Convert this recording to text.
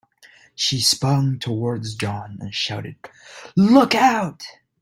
She spun towards John and shouted, "Look Out!"